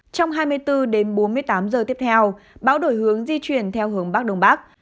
trong hai mươi bốn đến bốn mươi tám giờ tiếp theo bão đổi hướng di chuyển theo hướng bắc đông bắc